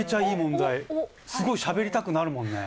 すごいしゃべりたくなるもんね。